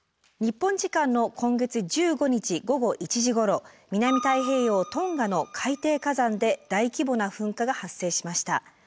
日本時間の今月１５日午後１時ごろ南太平洋トンガの海底火山で大規模な噴火が発生しました。